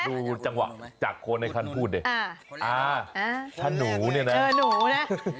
ดูจังหวะจากคนไอนคราชินอนุญาณพูดเด็ด